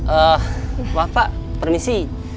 eh maaf pak permisi